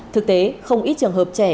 thực tế không ít trường hợp trẻ